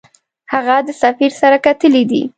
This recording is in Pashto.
هغه د سفیر سره کتلي دي.